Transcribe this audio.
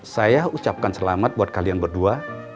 saya ucapkan selamat buat kalian berdua